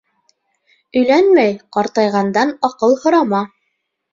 Өйләнмәй ҡартайғандан аҡыл һорама.